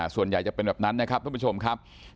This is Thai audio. ส่วนใหญ่จะเป็นแบบนั้นนะครับท่านผู้ชมครับ